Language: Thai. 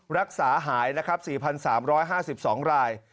รักษาหายนะครับ๔๓๕๒ราย